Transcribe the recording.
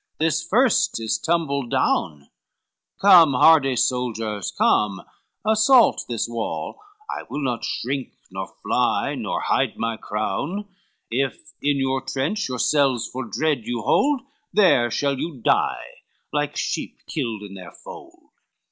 this first is tumbled down, Come, hardy soldiers, come, assault this wall, I will not shrink, nor fly, nor hide my crown, If in your trench yourselves for dread you hold, There shall you die like sheep killed in their fold."